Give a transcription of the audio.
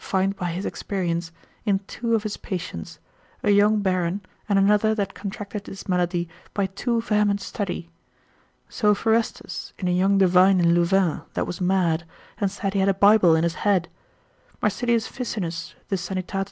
12 and 13, find by his experience, in two of his patients, a young baron, and another that contracted this malady by too vehement study. So Forestus, observat. l. 10, observ. 13, in a young divine in Louvain, that was mad, and said he had a Bible in his head: Marsilius Ficinus de sanit.